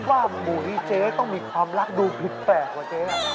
ว่าหมุยเจ๊ต้องมีความรักดูผิดแปลกกว่าเจ๊